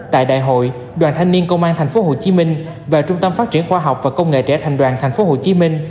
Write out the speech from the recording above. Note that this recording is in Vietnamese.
tại đại hội đoàn thanh niên công an tp hcm và trung tâm phát triển khoa học và công nghệ trẻ thành đoàn tp hcm